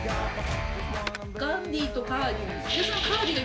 ガンディとカーディー。